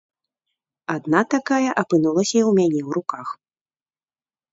Адна такая апынулася і ў мяне ў руках.